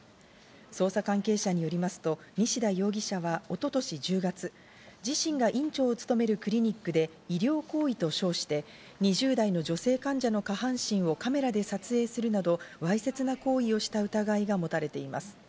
捜査関係者によりますと西田容疑者は一昨年１０月、自身が院長を務めるクリニックで医療行為と称して、２０代の女性患者の下半身をカメラで撮影するなど、わいせつな行為をした疑いが持たれています。